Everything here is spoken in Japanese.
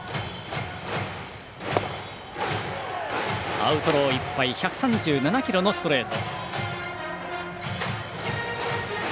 アウトローいっぱい１３７キロのストレート。